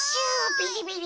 ビリビリ。